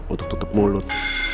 untuk tutup mulut